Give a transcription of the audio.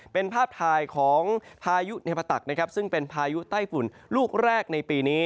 เป็นภาพถ่ายของพายุเนพตักนะครับซึ่งเป็นพายุไต้ฝุ่นลูกแรกในปีนี้